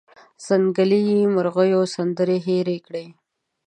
ځنګلي مرغېو سندرې هیرې کړلې